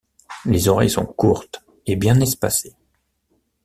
Les oreilles sont courtes et bien espacées.